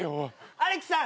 アレクさん